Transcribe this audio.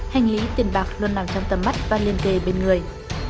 hành lý tiền bạc luôn nằm trong tầm mắt và liên kề bên người